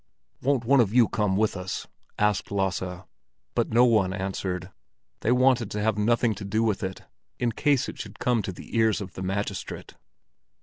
"Won't one of you come with us?" asked Lasse. But no one answered; they wanted to have nothing to do with it, in case it should come to the ears of the magistrate.